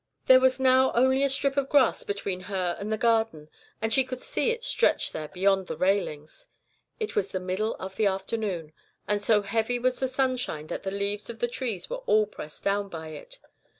"There was now only a strip of grass between her and the Garden, and she could see it stretched there beyond the railings. It was the middle of the afternoon, and so heavy was the sunshine that the leaves of the trees were all pressed down by it.